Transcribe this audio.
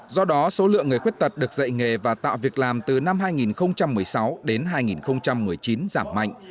do đó số lượng người khuyết tật được dạy nghề và tạo việc làm từ năm hai nghìn một mươi sáu đến hai nghìn một mươi chín giảm mạnh